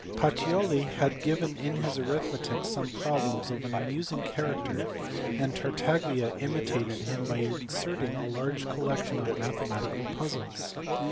Pacioli had given in his arithmetic some problems of an amusing character, and Tartaglia imitated him by inserting a large collection of mathematical pu/zles.